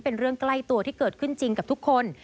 เป็นเรื่องใกล้ตัวที่เกิดขึ้นจริงกับทุกคน